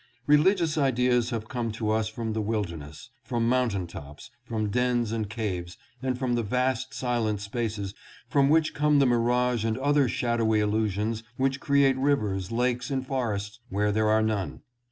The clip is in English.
Religious ideas have come to us from the wilderness, from mountain tops, from dens and caves, and from the vast silent spaces from which come the mirage and other shadowy illusions which create rivers, lakes and forests where there are none.